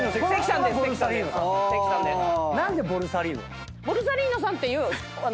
何でボルサリーノなの？